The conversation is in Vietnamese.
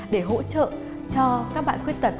để hỗ trợ cho các bạn khuyết tật